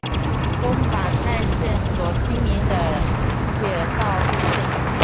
京阪奈线所经营的铁道路线。